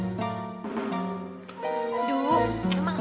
selatan juga juga bas